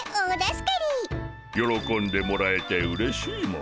よろこんでもらえてうれしいモ。